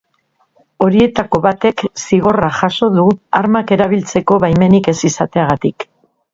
Horietako batek zigorra jaso du, armak erabiltzeko baimenik ez izateagatik.